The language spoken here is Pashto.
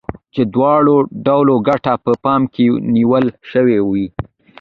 چې د دواړو ډلو ګټه په پام کې نيول شوې وي.